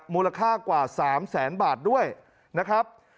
มูลค่ากว่า๓แสนบาทด้วยนะครับ